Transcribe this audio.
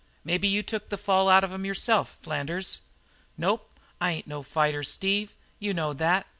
"Maybe you took the fall out of him yourself, Flanders?" "Nope. I ain't no fighter, Steve. You know that.